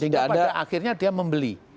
sehingga pada akhirnya dia membeli